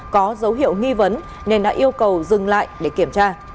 có dấu hiệu nghi vấn nên đã yêu cầu dừng lại để kiểm tra